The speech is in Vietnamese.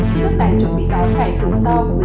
khi nước này chuẩn bị đón ngày từ sau